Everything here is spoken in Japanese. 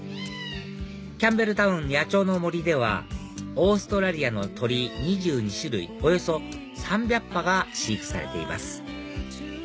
キャンベルタウン野鳥の森ではオーストラリアの鳥２２種類およそ３００羽が飼育されています